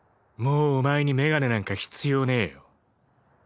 もうお前に眼鏡なんか必要ねぇよ。